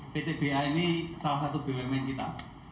ptba ini salah satu bumn kita